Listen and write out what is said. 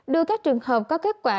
đưa các trường hợp có kết quả